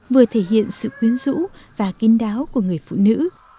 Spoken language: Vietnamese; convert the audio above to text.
vừa thể hiện sự quyến rũ và kín đáo của người phụ nữ